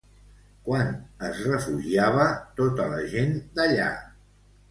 Quan es refugiava tota la gent d'allà?